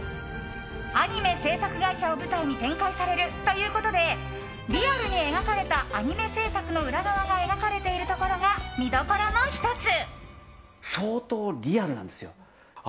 アニメ制作会社を舞台に展開されるということでリアルに描かれたアニメ制作の裏側が描かれているところが見どころの１つ。